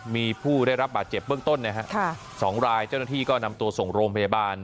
มีผู้ได้รับบาดเจ็บเบื้องต้นนะฮะ๒รายเจ้าหน้าที่ก็นำตัวส่งโรงพยาบาล